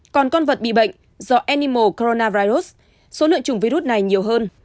còn con vật bị bệnh do enimo coronavirus số lượng chủng virus này nhiều hơn